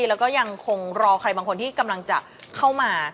แล้วก็ยังคงรอใครบางคนที่กำลังจะเข้ามา